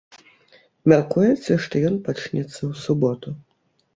Мяркуецца, што ён пачнецца ў суботу.